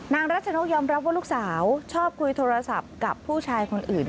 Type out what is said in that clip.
รัชนกยอมรับว่าลูกสาวชอบคุยโทรศัพท์กับผู้ชายคนอื่น